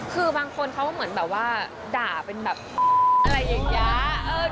คือบางคนเขาเหมือนแบบว่าด่าเป็นแบบอะไรอย่างนี้